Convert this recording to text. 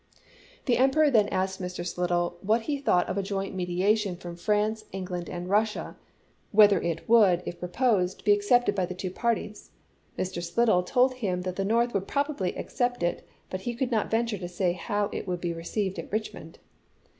The Emperor then asked Mr. Slidell what he thought of a joint mediation from France, Eng land, and Russia; whether it would, if proposed, be accepted by the two parties. Mr. Slidell told him that the North would probably accept it, but could not venture to say how it would be received at Richmond.